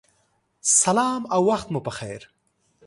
سلام او وخت مو پخیر